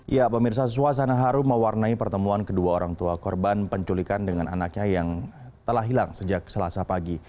ya pemirsa suasana harum mewarnai pertemuan kedua orang tua korban penculikan dengan anaknya yang telah hilang sejak selasa pagi